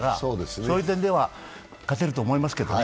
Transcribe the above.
そういう点では勝てると思いますけどね。